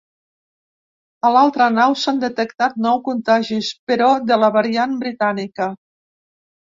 A l’altra nau s’han detectat nou contagis, però de la variant britànica.